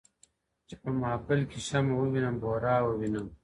چي په محفل کي شمع ووینم بورا ووینم .